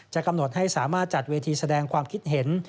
กำหนดให้สามารถจัดเวทีแสดงความคิดเห็น